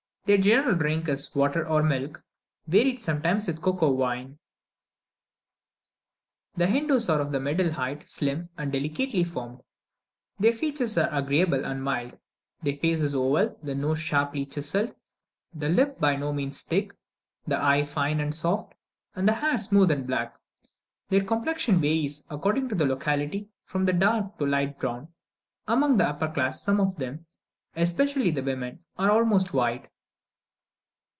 Their general drink is water or milk, varied sometimes with cocoa wine. The Hindoos are of the middle height, slim, and delicately formed; their features are agreeable and mild; the face is oval, the nose sharply chiselled, the lip by no means thick, the eye fine and soft, and the hair smooth and black. Their complexion varies, according to the locality, from dark to light brown; among the upper classes, some of them, especially the women, are almost white.